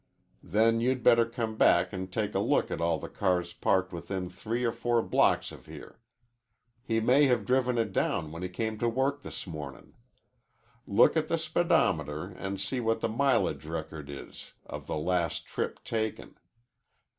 Then you'd better come back an' take a look at all the cars parked within three or four blocks of here. He may have driven it down when he came to work this mornin'. Look at the speedometer an' see what the mileage record is of the last trip taken.